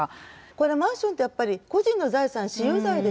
これマンションってやっぱり個人の財産私有財ですよね。